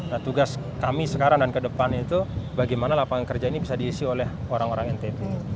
nah tugas kami sekarang dan ke depannya itu bagaimana lapangan kerja ini bisa diisi oleh orang orang ntt